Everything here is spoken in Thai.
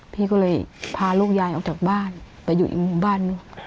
พี่ก็เลยพาลูกยายออกจากบ้านไปอยู่อีกหมู่บ้านหนึ่ง